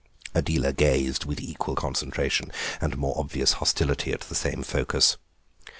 Adela gazed with equal concentration and more obvious hostility at the same focus.